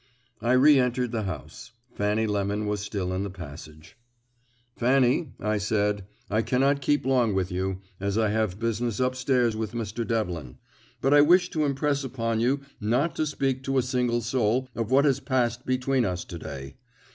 I reëntered the house. Fanny Lemon was still in the passage. "Fanny," I said, "I cannot keep long with you, as I have business up stairs with Mr. Devlin; but I wish to impress upon you not to speak to a single soul of what has passed between us to day.